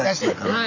はい。